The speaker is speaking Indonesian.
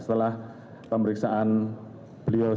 setelah pemeriksaan beliau